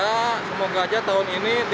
semoga aja tahun ini